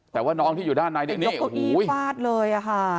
แต่ว่าน้องที่อยู่ด้านในเนี้ยโอ้โหยกเก้าอี้ฟาดเลยอะค่ะ